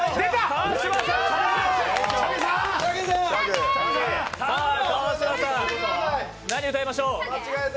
川島さん、何歌いましょう？